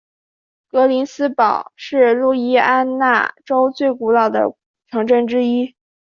格林斯堡是路易斯安那州最古老的城镇之一。